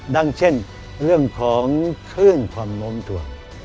เช่นเรื่องของคลื่นความโน้มถ่วง